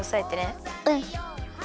うん。